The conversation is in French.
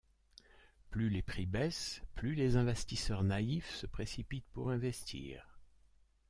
Plus les prix baissent, plus les investisseurs naïfs se précipitent pour investir.